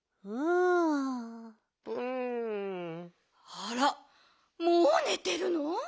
あらもうねてるの？